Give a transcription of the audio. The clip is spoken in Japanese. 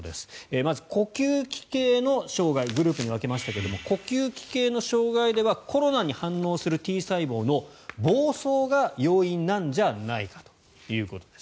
まず、呼吸器系の障害グループに分けましたけれど呼吸器系の障害ではコロナに反応するＴ細胞の暴走が要因なんじゃないかということです。